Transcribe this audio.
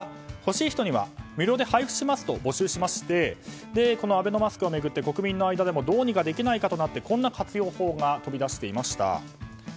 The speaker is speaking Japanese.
そこで政府は欲しい人には無料で配布しますと募集しまして、アベノマスクを巡って、国民の間でもどうにかできないかとなってこんな活用法が飛び出していました。